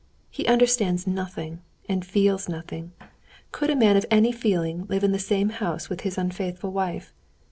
He understands nothing, and feels nothing. Could a man of any feeling live in the same house with his unfaithful wife?